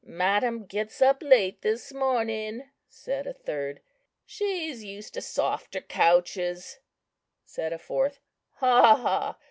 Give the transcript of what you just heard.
"Madam gets up late this morning," said a third. "She's used to softer couches," said a fourth. "Ha! ha!